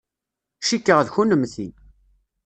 Cikkeɣ d kennemti.